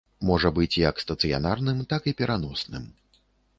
Можа быць як стацыянарным, так і пераносным.